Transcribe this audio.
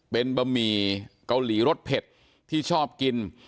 เป็นบะหมี่เกาหลีรสเผ็ดที่ชอบกิน